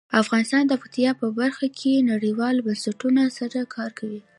افغانستان د پکتیا په برخه کې نړیوالو بنسټونو سره کار کوي.